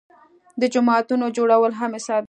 د جوماتونو جوړول هم حساب دي.